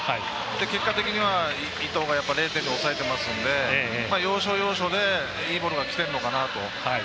結果的には伊藤が０点で抑えてますので要所要所でいいボールがきているのかなと。